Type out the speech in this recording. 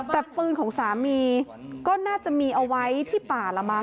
แต่ปืนของสามีก็น่าจะมีเอาไว้ที่ป่าละมั